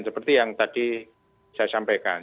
seperti yang tadi saya sampaikan